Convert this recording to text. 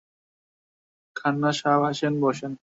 খান্না সাব আসেন, বসেন।